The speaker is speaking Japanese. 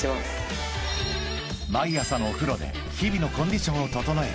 ［毎朝のお風呂で日々のコンディションを整える］